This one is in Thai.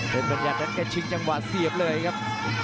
เคล็ดปะญาตินักกระชิงจังหวะเสี้ยบเลยครับ